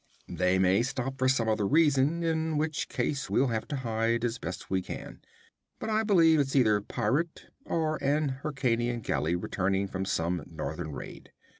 They may stop for some other reason, in which case we'll have to hide as best we can. But I believe it's either pirate, or an Hyrkanian galley returning from some northern raid.